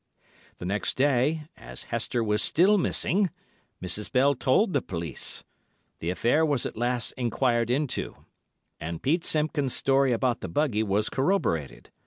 The next day, as Hester was still missing, Mrs. Bell told the police. The affair was at once inquired into, and Pete Simpkins' story about the buggy was corroborated.